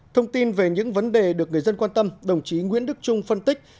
thông tin về những vấn đề được người dân quan tâm đồng chí nguyễn đức trung phân tích